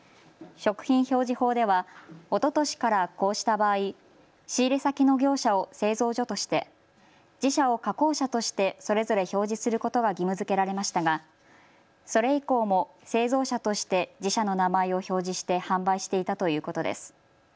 食品表示法ではおととしからこうした場合、仕入れ先の業者を製造所として、自社を加工者としてそれぞれ表示することが義務づけられましたがそれ以降も製造者として自社の名前を表示して販売していたということです。